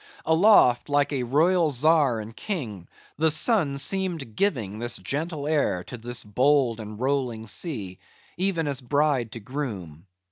Aloft, like a royal czar and king, the sun seemed giving this gentle air to this bold and rolling sea; even as bride to groom.